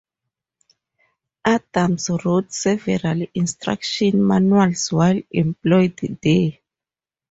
Adams wrote several instruction manuals while employed there.